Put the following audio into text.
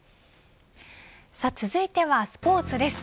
続いてはスポーツです。